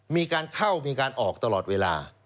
มีการเข้ามีการออกตลอดเวลา